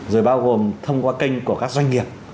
rồi bao gồm thông qua kênh của các doanh nghiệp